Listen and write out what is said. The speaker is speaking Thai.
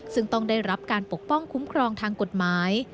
ซึ่งต้องได้รับการปกป้องคุ้มครองทางกฎหมาย